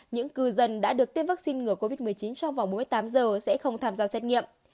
những cư dân đã được tiêm vaccine ngừa covid một mươi chín trong vòng mỗi tám giờ sẽ không tham gia xét nghiệm